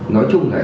nói chung là